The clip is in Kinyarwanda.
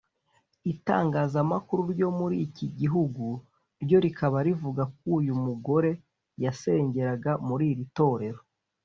Itangazamakuru ryo muri iki gihugu ryo rikaba rivuga ko uyu uyu mugore yasengeraga muri iri torero